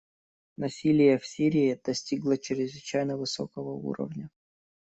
Насилие в Сирии достигло чрезвычайно высокого уровня.